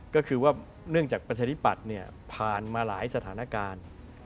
ก็คือว่าเนื่องจากประชาธิปัตย์ผ่านมาหลายสถานการณ์